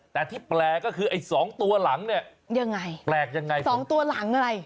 แต่ที่แปลกก็คือไอ้สองตัวหลังเนี่ยยังไงแปลกยังไงสองตัวหลังอะไร